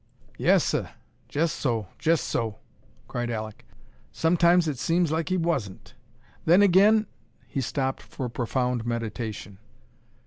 "Yes, seh, jest so, jest so," cried Alek. "Sometimes it seems like he wasn't. Then agin " He stopped for profound meditation.